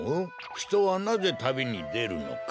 ひとはなぜたびにでるのか。